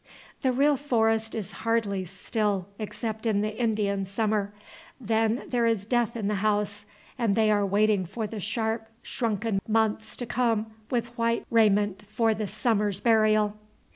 The real forest is hardly still except in the Indian summer; then there is death in the house, and they are waiting for the sharp shrunken months to come with white raiment for the summer's burial.